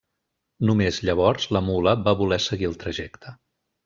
Només llavors la mula va voler seguir el trajecte.